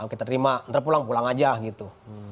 kita terima ntar pulang pulang aja gitu